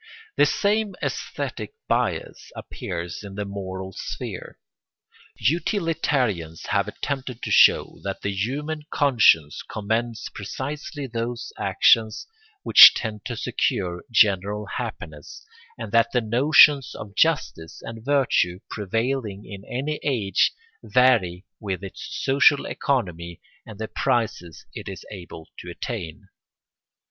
] The same æsthetic bias appears in the moral sphere. Utilitarians have attempted to show that the human conscience commends precisely those actions which tend to secure general happiness and that the notions of justice and virtue prevailing in any age vary with its social economy and the prizes it is able to attain.